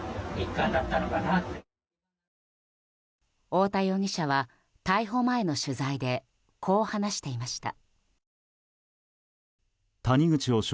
太田容疑者は、逮捕前の取材でこう話していました。